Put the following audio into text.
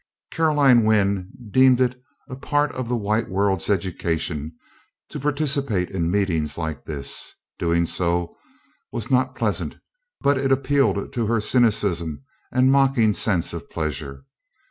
Caroline Wynn deemed it a part of the white world's education to participate in meetings like this; doing so was not pleasant, but it appealed to her cynicism and mocking sense of pleasure.